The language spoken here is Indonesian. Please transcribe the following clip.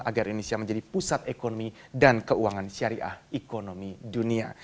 agar indonesia menjadi pusat ekonomi dan keuangan syariah ekonomi dunia